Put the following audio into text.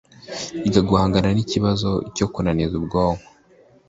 Iga guhangana n'ikibazo cyo kunaniza ubwonko